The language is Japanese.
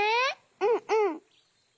うんうん。